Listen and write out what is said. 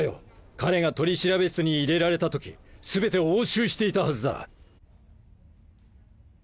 彼が取調室に入れられた時全て押収していたはずだ。